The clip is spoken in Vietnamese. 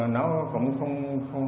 nó cũng không